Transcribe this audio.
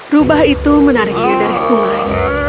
rubah itu menariknya dari sungai